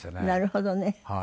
なるほどね。